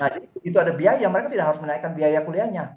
itu ada biaya mereka tidak harus menaikkan biaya kuliahnya